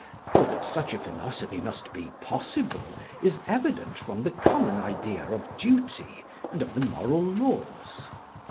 for that such a philosophy must be possible is evident from the common idea of duty and of the moral laws.